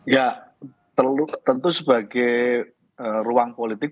ya tentu sebagai ruang politik